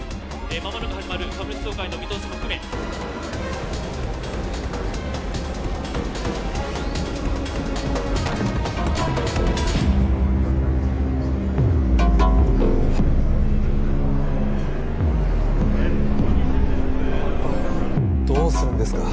間もなく始まる株主総会の見通しも含めどうするんですか？